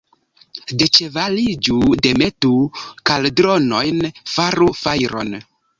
Deĉevaliĝu, demetu kaldronojn, faru fajron!